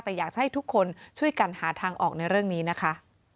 แต่อยากจะให้ทุกคนช่วยกันหาทางออกในเรื่องนี้นะคะ